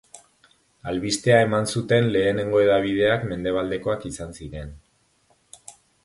Albistea eman zuten lehenengo hedabideak mendebaldekoak izan ziren.